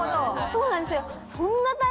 そうなんですよ。